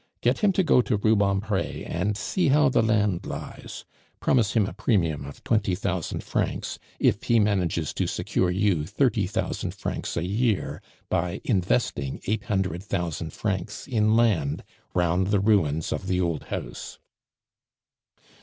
Get him to go to Rubempre and see how the land lies; promise him a premium of twenty thousand francs if he manages to secure you thirty thousand francs a year by investing eight hundred thousand francs in land round the ruins of the old house."